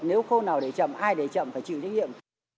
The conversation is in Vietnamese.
nếu khâu nào để chậm ai để chậm phải chịu trách nhiệm